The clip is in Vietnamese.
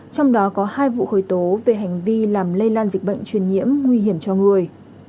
trong đó có hai vụ khởi tố về hành vi làm lây lan dịch bệnh truyền nhiễm nguy hiểm cho người